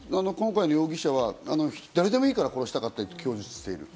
って、今回の容疑者は誰でもいいから殺したかったと供述している。